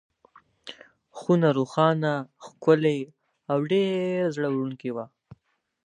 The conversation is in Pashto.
خونه روښانه، ښکلې او ډېره زړه وړونکې وه.